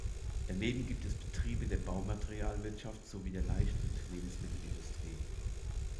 Daneben gibt es Betriebe der Baumaterialienwirtschaft sowie der Leicht- und Lebensmittelindustrie.